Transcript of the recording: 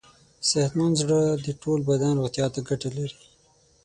صحتمند زړه د ټول بدن روغتیا ته ګټه لري.